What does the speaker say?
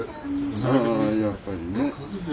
あやっぱりね。